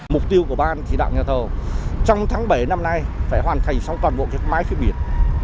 mục tiêu của ban thị đạo nhà thầu trong tháng bảy năm nay phải hoàn thành xong toàn bộ cái máy phi biển